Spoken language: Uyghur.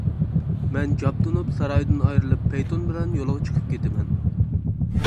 مەن جابدۇنۇپ سارايدىن ئايرىلىپ پەيتۇن بىلەن يولغا چىقىپ كېتىمەن.